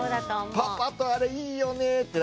パパとあれいいよねって。